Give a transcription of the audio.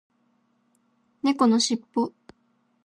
猫のしっぽ